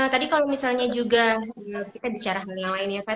tadi kalau misalnya juga kita bicara hal yang lain ya pak